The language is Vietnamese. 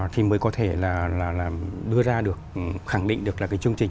thì mới có thể là đưa ra được khẳng định được là cái chương trình